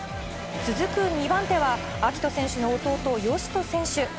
続く２番手は、暁斗選手の弟、善斗選手。